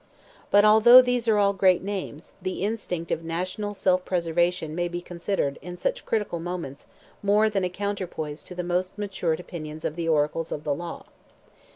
But although these are all great names, the instinct of national self preservation may be considered in such critical moments more than a counterpoise to the most matured opinions of the oracles of the law.